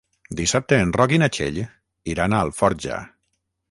Dissabte en Roc i na Txell iran a Alforja.